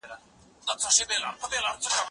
زه پرون د زده کړو تمرين وکړ؟